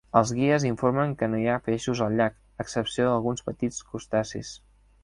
Els guies informen que no hi ha peixos al llac, a excepció d'alguns petits crustacis.